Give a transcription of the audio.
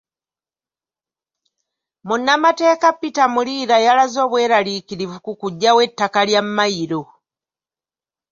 Munnamateeka Peter Muliira yalaze obweraliikirivu ku kuggyawo ettaka lya Mmayiro.